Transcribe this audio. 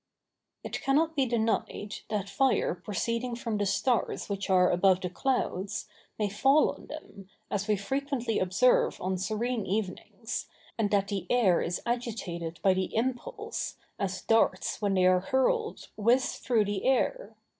It cannot be denied, that fire proceeding from the stars which are above the clouds, may fall on them, as we frequently observe on serene evenings, and that the air is agitated by the impulse, as darts, when they are hurled, whiz through the air.